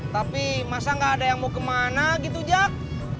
tapi masa gak ada yang mau kemana gitu jak